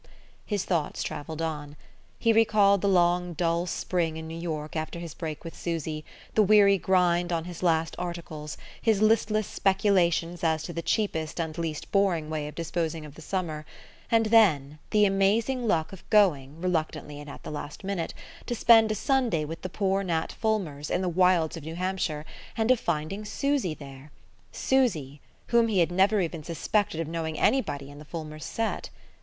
His thoughts travelled on. He recalled the long dull spring in New York after his break with Susy, the weary grind on his last articles, his listless speculations as to the cheapest and least boring way of disposing of the summer; and then the amazing luck of going, reluctantly and at the last minute, to spend a Sunday with the poor Nat Fulmers, in the wilds of New Hampshire, and of finding Susy there Susy, whom he had never even suspected of knowing anybody in the Fulmers' set!